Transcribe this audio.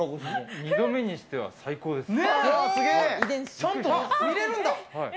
２度目にしては最高です。